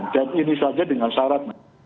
dan ini saja dengan syarat